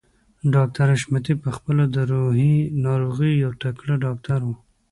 ډاکټر حشمتي په خپله د روحي ناروغيو يو تکړه ډاکټر و.